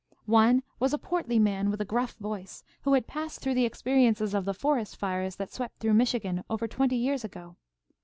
One was a portly man with a gruff voice, who had passed through the experiences of the forest fires that swept through Michigan, over twenty years ago.